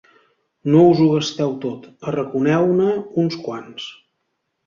No us ho gasteu tot, arraconeu-ne uns quants.